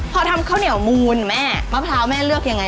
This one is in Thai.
พอทำข้าวเหนียวมูลแม่มะพร้าวแม่เลือกยังไง